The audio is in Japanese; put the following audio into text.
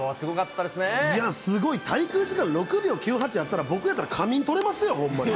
いやぁ、すごい、滞空時間６秒９８やったら、僕やったら、仮眠とれますよ、ほんまに。